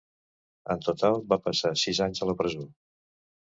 En total va passar sis anys a la presó.